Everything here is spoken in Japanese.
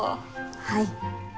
はい。